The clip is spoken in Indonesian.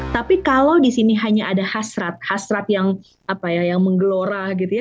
tapi kalau di sini hanya ada hasrat hasrat yang menggelora gitu ya